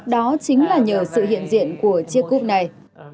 đó chính là điều của chúng tôi